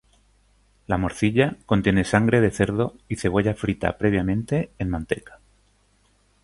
La morcilla contiene sangre de cerdo, y cebolla frita previamente en manteca.